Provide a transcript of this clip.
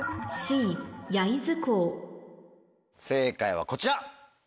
正解はこちら。